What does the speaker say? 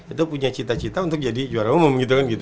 itu punya cita cita untuk jadi juara umum